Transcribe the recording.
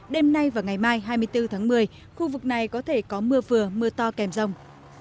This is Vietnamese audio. đêm nay và ngày mai hai mươi bốn tháng một mươi khu vực này có thể có mưa vừa mưa to kèm rồng